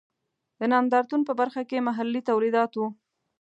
د نندارتون په برخه کې محلي تولیدات و.